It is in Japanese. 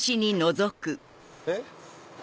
えっ？